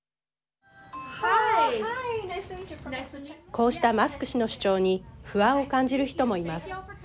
こうした、マスク氏の主張に不安を感じる人もいます。